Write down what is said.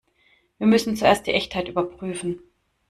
Wir müssen zuerst die Echtheit überprüfen.